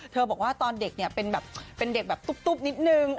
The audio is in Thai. เธอบอกว่าตอนเด็กเนี่ยเป็นเด็กแบบตุ๊บนิดนึง